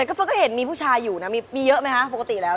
ก็เห็นมีผู้ชายอยู่นะมีเยอะไหมคะปกติแล้ว